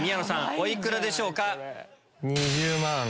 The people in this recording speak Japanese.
お幾らでしょうか？